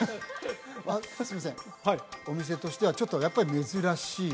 すいませんお店としてはちょっとやっぱり珍しい？